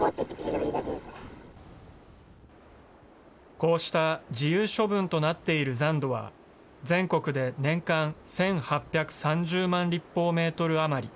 こうした自由処分となっている残土は、全国で年間１８３０万立方メートル余り。